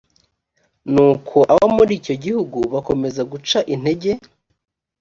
nuko abo muri icyo gihugu bakomeza guca intege